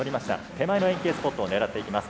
手前の円形スポットを狙っていきます。